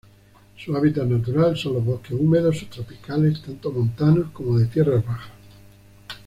Su hábitat natural son los bosques húmedos subtropicales tanto montanos como de tierras bajas.